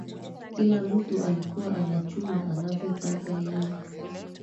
kila mtu alikuwa anachuma anavyotaka yeye